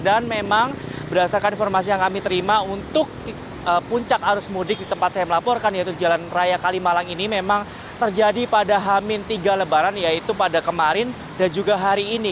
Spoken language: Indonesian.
dan memang berdasarkan informasi yang kami terima untuk puncak arus mudik di tempat saya melaporkan yaitu jalan raya kalimalang ini memang terjadi pada hamil tiga lebaran yaitu pada kemarin dan juga hari ini